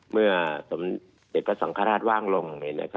เมื่อพระสังฆราชว่างลง